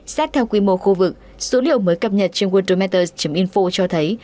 xét theo quy mô khu vực số liều mới cập nhật trên world matters info cho thấy